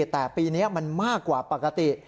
แต่ปีนี้มันมากกว่าปกติ